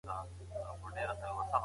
استازي ته لوی اعزاز او اکرام حاصل کیږي.